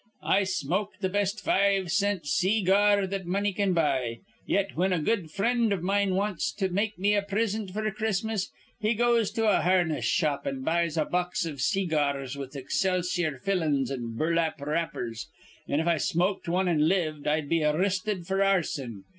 I smoke th' best five cint see gar that money can buy; yet, whin a good frind iv mine wants to make me a prisint f'r Christmas, he goes to a harness shop an' buys a box iv see gars with excelsior fillin's an' burlap wrappers, an', if I smoked wan an' lived, I'd be arristed f'r arson.